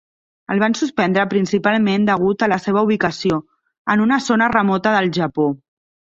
El van suspendre principalment degut a la seva ubicació, en una zona remota del Japó.